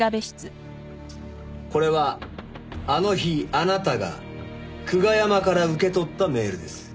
これはあの日あなたが久我山から受け取ったメールです。